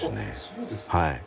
そうですか。